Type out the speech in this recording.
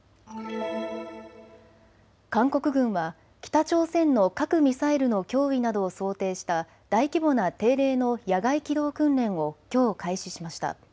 韓国軍は北朝鮮の核・ミサイルの脅威などを想定した大規模な定例の野外機動訓練をきょう開始しました。